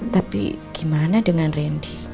tapi gimana dengan rendy